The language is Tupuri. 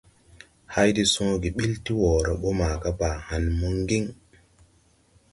Hay de sõõge ɓil ti wɔɔre ɓɔ maga Baa hããn mo Ŋgiŋ.